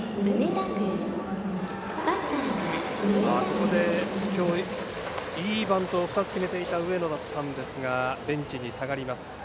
ここで今日、いいバントを２つ決めていた上野だったんですがベンチに下がります。